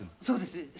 そうです。